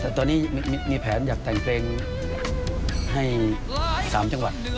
แต่ตอนนี้มีแผนอยากแต่งเพลงให้๓จังหวัด